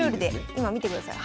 今見てください。